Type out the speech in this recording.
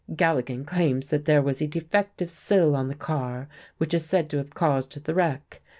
Galligan claims that there was a defective sill on the car which is said to have caused the wreck.